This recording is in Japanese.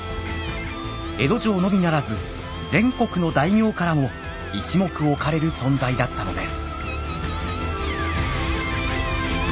江戸城のみならず全国の大名からも一目置かれる存在だったのです。